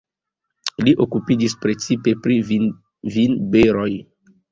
Li okupiĝis precipe pri vinberoj.